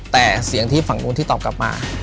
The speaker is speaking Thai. แต่เสียงที่ฝั่งนู้นที่ตอบกลับมา